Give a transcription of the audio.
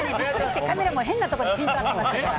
カメラも変な所にピント合ってましたから。